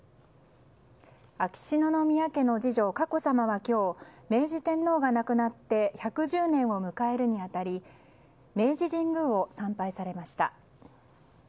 秋篠宮家の次女・佳子さまは今日明治天皇が亡くなって１１０年を迎えるに当たり明治神宮を参拝されました。